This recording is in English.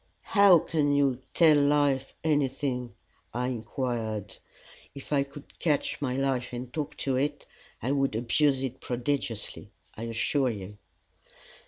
"How can you 'tell life' anything?" I inquired. "If I could catch my life and talk to it, I would abuse it prodigiously, I assure you."